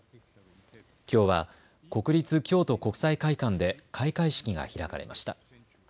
きょうは国立京都国際会館で開会式が開かれました。